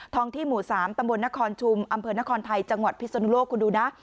ที่หมู่๓ตำบลนครชุมอำเภอนครไทยจังหวัดพิศนุโลกคุณดูนะ